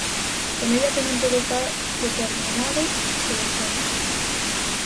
Semella que non todo está determinado polos xenes.